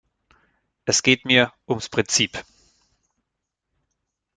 Es geht mir ums Prinzip.